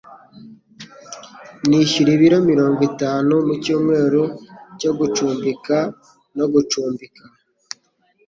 Nishyura ibiro mirongo itanu mucyumweru cyo gucumbika no gucumbika.